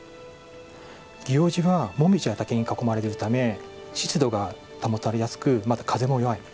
祇王寺は、もみじや竹に囲まれているため湿度が保たれやすくまた風も弱い。